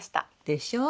でしょう？